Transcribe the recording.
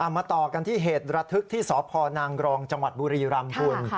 มาต่อกันที่เหตุระทึกที่สพนางกรองจังหวัดบุรีรำคุณ